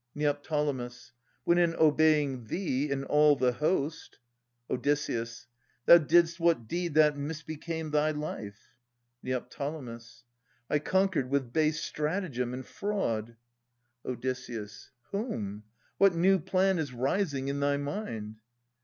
Neo. When in obeying thee and all the host Od. Thou didst what deed that misbecame thy life ? Neo. I conquered with base stratagem and fraud Od. Whom ? What new plan is rising in thy mind